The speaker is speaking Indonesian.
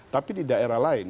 tapi di daerah lain